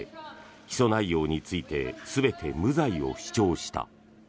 起訴内容について全て無罪を主張した。